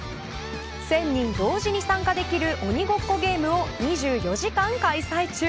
１０００人同時に参加できる鬼ごっこゲームを２４時間開催中。